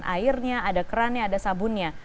airnya ada kerannya ada sabunnya